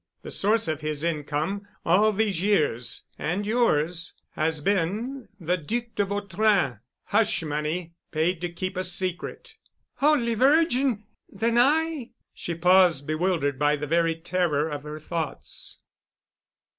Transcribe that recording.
The source of his income, all these years—and yours—has been—the Duc de Vautrin—hush money paid to keep a secret——" "Holy Virgin—! Then I——?" She paused, bewildered by the very terror of her thoughts.